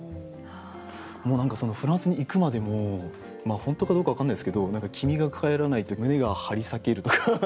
もう何かそのフランスに行くまでも本当かどうか分からないですけど君が帰らないと胸が張り裂けるとか。